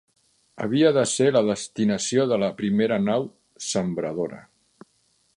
Havia de ser la destinació de la primera nau sembradora.